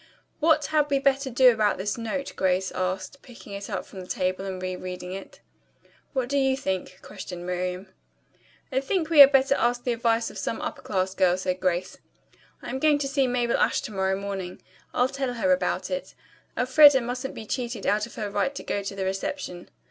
"What had we better do about this note?" Grace asked, picking it up from the table and re reading it. "What do you think?" questioned Miriam. "I think we had better ask the advice of some upper class girl," said Grace. "I'm going to see Mabel Ashe to morrow morning. I'll tell her about it. Elfreda mustn't be cheated out of her right to go to the reception."